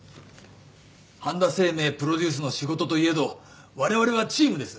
半田清明プロデュースの仕事といえどわれわれはチームです。